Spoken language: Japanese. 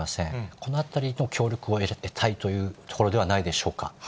このあたりの協力を得たいというところではないでしょうか。